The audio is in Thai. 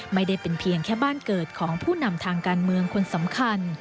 ไม่ได้เป็นเพียงแค่บ้านเกิดของผู้นำทางการเมืองคนสำคัญ